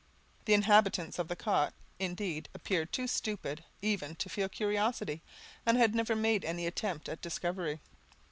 The inhabitants of the cot, indeed, appeared too stupid even to feel curiosity, and had never made any attempt at discovery.